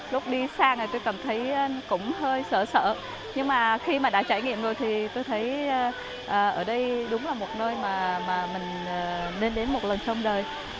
lúc đi xa này tôi cảm thấy cũng hơi sợ nhưng mà khi mà đã trải nghiệm rồi thì tôi thấy ở đây đúng là một nơi mà mình nên đến một lần trong đời